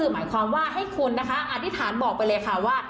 มาให้คุณนะคะอธิษฐานบอกไปเลยค่ะว่า